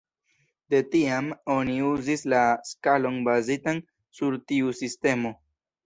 De tiam oni uzis la skalon bazitan sur tiu sistemo.